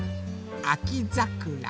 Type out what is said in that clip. あきざくら。